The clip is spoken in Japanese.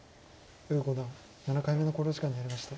呉五段７回目の考慮時間に入りました。